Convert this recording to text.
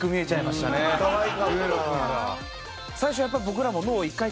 最初やっぱ僕らも。